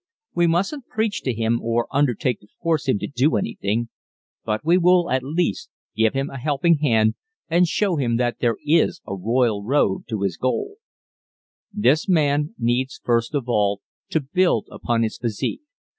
We mustn't preach to him or undertake to force him to do anything, but we will at least give him a helping hand and show him that there is a royal road to his goal. This man needs first of all to build upon his physique.